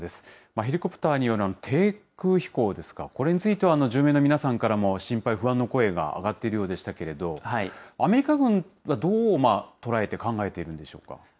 ヘリコプターの低空飛行ですが、これについては住民の皆さんからも心配、不安の声が上がっているようでしたけれど、アメリカ軍はどうとらえて、考えているんでしょうか。